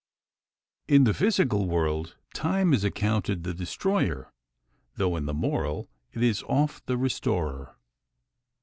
In the physical world Time is accounted the destroyer; though in the moral, it is oft the restorer.